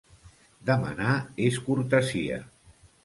Demanar és cortesia.